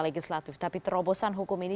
legislatif tapi terobosan hukum ini